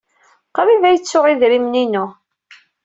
Qrib ay ttuɣ idrimen-inu.